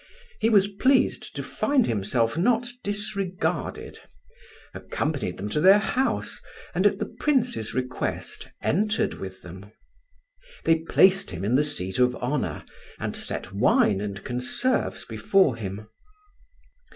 He was pleased to find himself not disregarded, accompanied them to their house, and, at the Prince's request, entered with them. They placed him in the seat of honour, and set wine and conserves before him.